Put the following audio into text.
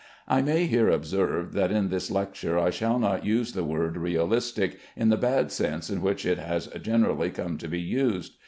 I may here observe that in this lecture I shall not use the word realistic in the bad sense in which it has generally come to be used.